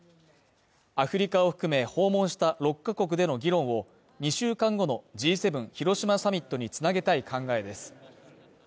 アフリカを含め訪問した６か国での議論を２週間後のＧ７広島サミットに繋げたい考えです。